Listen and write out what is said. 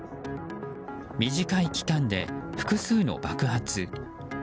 短い期間で複数の爆発。